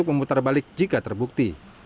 kepolisian kampung jawa barat